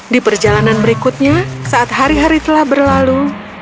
di perjalanan berikutnya saat hari hari telah berlalu